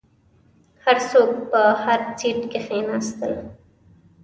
هر څوک په هر سیټ کښیناستل.